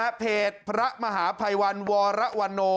แฟนเพจพระมหาภัยวันวอระวาโน